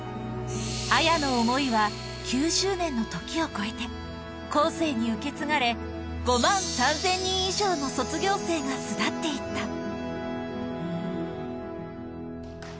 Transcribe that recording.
綾の思いは９０年の時を超えて、後世に受け継がれ、５万３０００人以上の卒業生が巣立っていった。